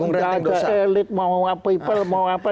yang tidak ada elit mau apa apa